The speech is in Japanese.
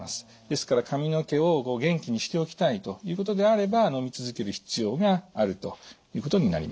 ですから髪の毛を元気にしておきたいということであればのみ続ける必要があるということになります。